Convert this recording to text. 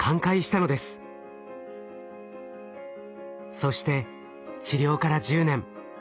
そして治療から１０年。